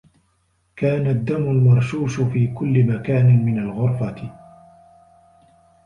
كان الدّم المرشوش في كلّ مكان من الغرفة.